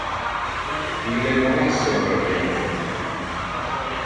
Ille non es sempre felice.